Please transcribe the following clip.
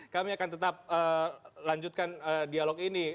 kami akan tetap lanjutkan dialog ini